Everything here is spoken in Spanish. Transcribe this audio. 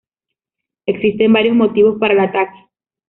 Existen varios motivos para el ataque.